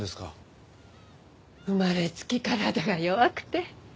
生まれつき体が弱くて。